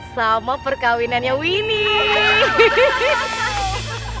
sama perkawinannya winnie